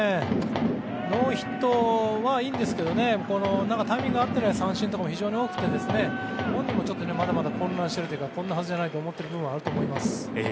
ノーヒットはいいんですけどね何かタイミング合っていない三振も非常に多くて本人もまだまだ混乱しているというかこんなはずじゃないと思っている部分はあると思います。